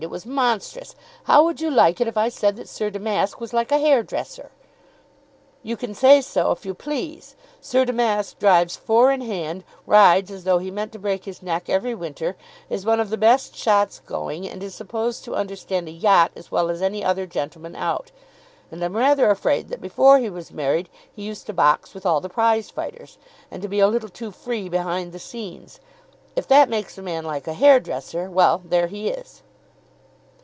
It was monstrous. How would you like it if I said that Sir Damask was like a hair dresser?" "You can say so if you please. Sir Damask drives four in hand, rides as though he meant to break his neck every winter, is one of the best shots going, and is supposed to understand a yacht as well as any other gentleman out. And I'm rather afraid that before he was married he used to box with all the prize fighters, and to be a little too free behind the scenes. If that makes a man like a hair dresser, well, there he is."